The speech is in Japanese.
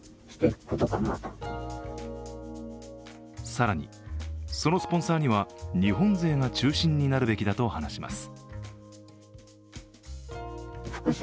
更に、そのスポンサーには日本勢が中心になるべきだと話します。